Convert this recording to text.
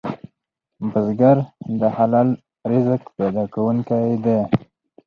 بزګر د حلال رزق پیدا کوونکی دی